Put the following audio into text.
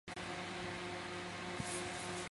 有研究将少孢根霉视为的变种。